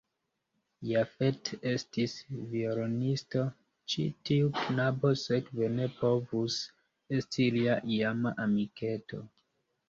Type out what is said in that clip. Jafet estis violonisto, ĉi tiu knabo sekve ne povus esti lia iama amiketo.